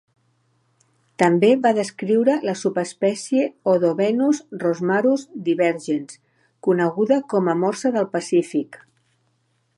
També va descriure la subespècie "Odobenus rosmarus divergens", coneguda com a morsa del Pacífic.